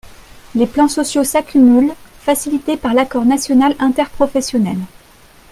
Les plans sociaux s’accumulent, facilités par l’accord national interprofessionnel.